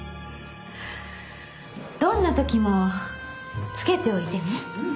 どんなときも着けておいてね